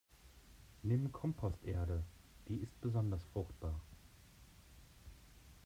Nimm Komposterde, die ist besonders fruchtbar.